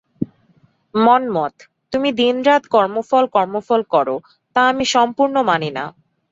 মন্মথ, তুমি দিনরাত কর্মফল কর্মফল করো আমি তা সম্পূর্ণ মানি না।